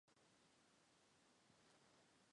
瓜尼扬伊斯是巴西米纳斯吉拉斯州的一个市镇。